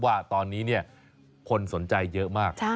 ว่าตอนนี้คนสนใจเยอะมาก